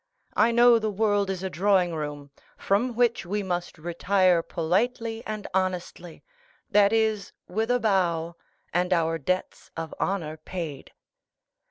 I know the world is a drawing room, from which we must retire politely and honestly; that is, with a bow, and our debts of honor paid."